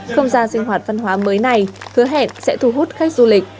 không gian sinh hoạt văn hóa mới này hứa hẹn sẽ thu hút khách du lịch